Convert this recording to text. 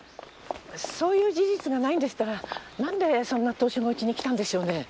そういう事実がないんでしたらなんでそんな投書がウチに来たんでしょうねぇ？